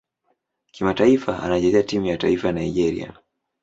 Kimataifa anachezea timu ya taifa Nigeria.